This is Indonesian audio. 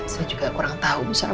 saya juga kurang tau bu sara